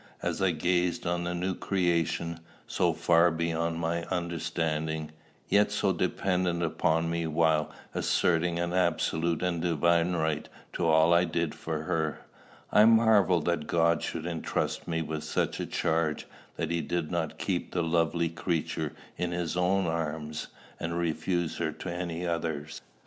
As I gazed on the new creation, so far beyond my understanding, yet so dependent upon me while asserting an absolute and divine right to all I did for her, I marvelled that God should intrust me with such a charge, that he did not keep the lovely creature in his own arms, and refuse her to any others.